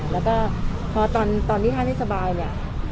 แล้วก็พอตอนที่ท่านไม่สบายเนี่ย